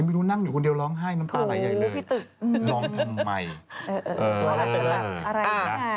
ไม่รู้นั่งอยู่คนเดียวร้องไห้น้ำตาไหลอะไรแบบนี้เลย